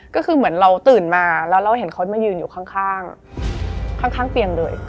ก็คือเหมือนเราตื่นมาแล้วเราเห็นเขามายืนอยู่ข้างข้างเตียงเลย